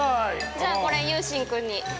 ◆じゃあ、これ由真君に。